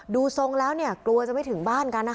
ทรงแล้วเนี่ยกลัวจะไม่ถึงบ้านกันนะคะ